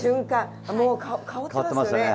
もう香ってますよね。